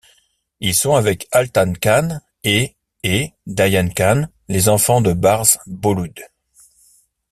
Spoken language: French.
Ils sont, avec Altan Khan et et Dayan Khan les enfants de Bars Bolud.